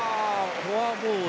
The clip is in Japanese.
フォアボール。